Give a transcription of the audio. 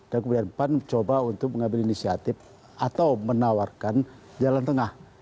dan kemudian pan coba untuk mengambil inisiatif atau menawarkan jalan tengah